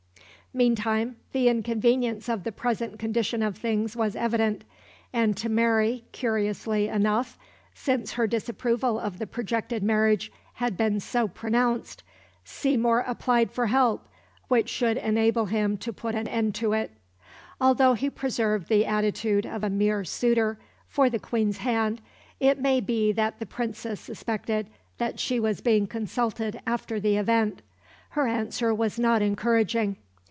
Meantime the inconvenience of the present condition of things was evident; and to Mary curiously enough, since her disapproval of the projected marriage had been so pronounced Seymour applied for help which should enable him to put an end to it. Although he preserved the attitude of a mere suitor for the Queen's hand, it may be that the Princess suspected that she was being consulted after the event. Her answer was not encouraging.